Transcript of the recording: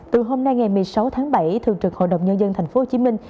từ hôm nay ngày một mươi sáu tháng bảy thường trực hội đồng nhân dân thành phố hồ chí minh